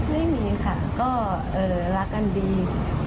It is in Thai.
ไม่มีค่ะก็รักกันดี